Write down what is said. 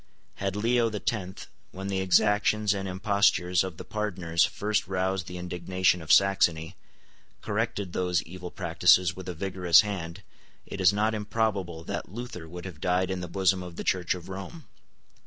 Had Leo the Tenth, when the exactions and impostures of the Pardoners first roused the indignation of Saxony, corrected those evil practices with a vigorous hand, it is not improbable that Luther would have died in the bosom of the Church of Rome.